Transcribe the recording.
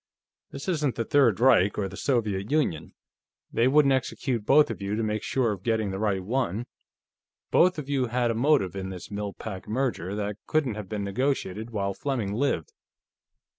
This isn't the Third Reich or the Soviet Union; they wouldn't execute both of you to make sure of getting the right one. Both of you had a motive in this Mill Pack merger that couldn't have been negotiated while Fleming lived.